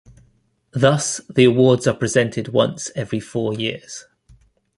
Thus, the awards are presented once every four years.